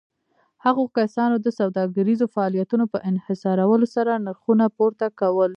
هغو کسانو د سوداګريزو فعاليتونو په انحصارولو سره نرخونه پورته کول.